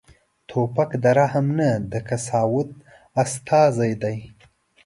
توپک د رحم نه، د قساوت استازی دی.